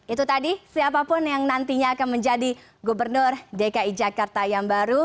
itu tadi siapapun yang nantinya akan menjadi gubernur dki jakarta yang baru